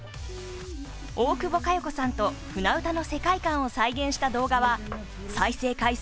大久保佳代子さんと「舟歌」の世界観を再現した動画は再生回数